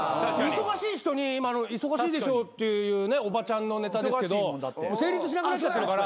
忙しい人に忙しいでしょって言うおばちゃんのネタですけど成立しなくなっちゃってるから。